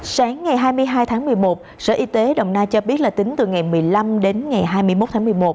sáng ngày hai mươi hai tháng một mươi một sở y tế đồng nai cho biết là tính từ ngày một mươi năm đến ngày hai mươi một tháng một mươi một